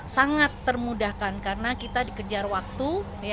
sangat termudahkan karena kita dikejar waktu